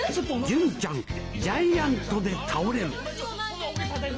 純ちゃんジャイアントで倒れる！